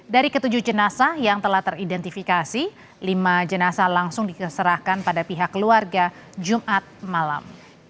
dari ketujuh jenazah yang telah teridentifikasi lima jenazah langsung diserahkan pada pihak keluarga jumat malam